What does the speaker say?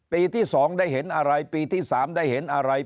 ปีที่๒ได้เห็นอะไรปีที่๓ได้เห็นอะไร